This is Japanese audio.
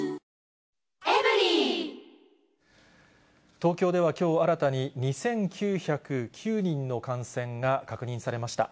東京ではきょう、新たに２９０９人の感染が確認されました。